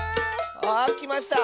あきました！